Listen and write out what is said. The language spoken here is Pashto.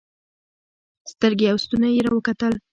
سترګې او ستونى يې راوکتل.